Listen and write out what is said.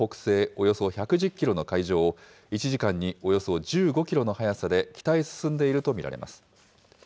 およそ１１０キロの海上を、１時間におよそ１５キロの速さで北へ進んでいると見られます。